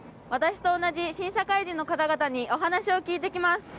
私と同じ新社会人の方々にお話を聞いてきます。